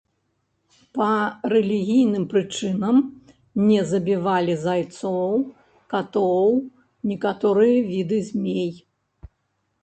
Па рэлігійным прычынам не забівалі зайцоў, катоў, некаторыя віды змей.